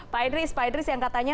pak idris pak idris yang katanya